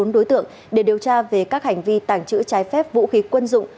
bốn đối tượng để điều tra về các hành vi tàng trữ trái phép vũ khí quân dụng